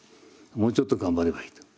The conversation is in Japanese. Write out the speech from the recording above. もうちょっと頑張ればいいと。